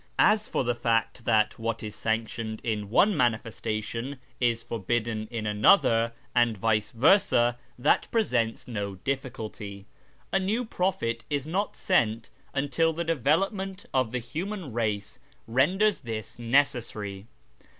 As for the fact that what is sanctioned in one ' manifestation ' is forbidden in another, and vice versa, that presents no difficulty. A new prophet is not sent until the development of the human race renders this necessary.